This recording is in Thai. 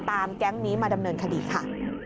แก๊งนี้มาดำเนินคดีค่ะ